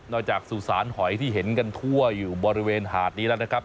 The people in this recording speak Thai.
จากสุสานหอยที่เห็นกันทั่วอยู่บริเวณหาดนี้แล้วนะครับ